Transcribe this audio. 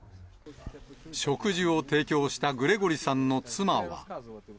食事を提供したグレゴリさんの妻は。